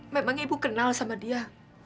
memang ibu kenal sama dia